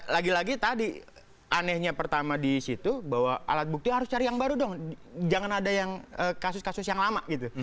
lagi lagi tadi anehnya pertama di situ bahwa alat bukti harus cari yang baru dong jangan ada yang kasus kasus yang lama gitu